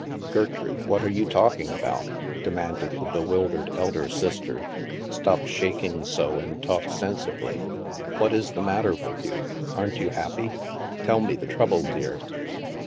"Gertrude, what are you talking about?" de manded the bewildered elder sister. " Stop shaking so and talk sensibly; what is the matter with you? Aren't you happy ? Tell me the trouble, dear."